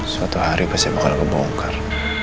suatu hari pasti bakal kebongkar